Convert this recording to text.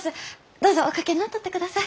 どうぞお掛けになっとってください。